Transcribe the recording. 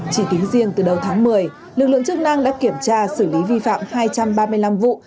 chỉ tính riêng từ đầu tháng một mươi lực lượng chức năng đã kiểm tra xử lý vi phạm hai trăm ba mươi năm vụ